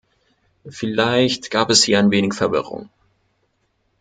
Vielleicht gab es hier ein wenig Verwirrung.